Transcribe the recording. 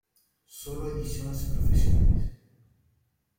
Solo ediciones profesionales.